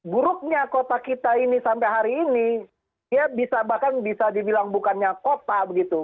buruknya kota kita ini sampai hari ini ya bisa bahkan bisa dibilang bukannya kota begitu